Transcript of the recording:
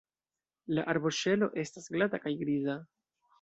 La arboŝelo estas glata kaj griza.